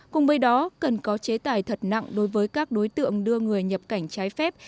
cùng với đó cần có chế tài thật nặng đối với các đối tượng đưa người nhập cảnh trái phép